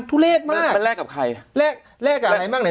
ทุเรศมากมันแลกกับใครแลกแลกกับอะไรบ้างเนี้ย